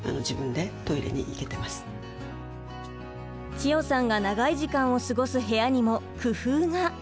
千代さんが長い時間を過ごす部屋にも工夫が！